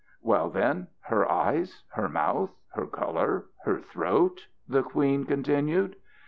"Well, then, her eyes? her mouth, her colour? her throat?" the queen continued.